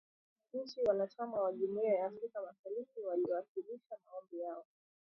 Nchi wanachama wa Jumuiya ya Afrika Mashariki waliwasilisha maombi yao